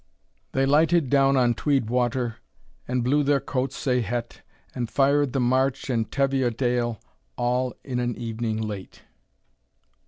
They lighted down on Tweed water And blew their coals sae het, And fired the March and Teviotdale, All in an evening late.